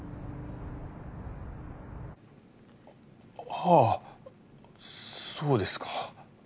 はあそうですか。